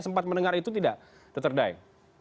sempat mendengar itu tidak dr daeng